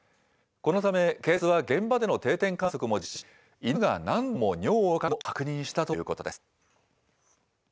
このため警察は、現場での定点観測も実施し、犬が何度も尿をかけているのを確認したということです。